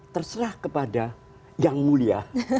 terserah kepada yang mulia